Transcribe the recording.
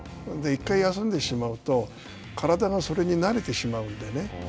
１回休んでしまうと体がそれに慣れてしまうんでね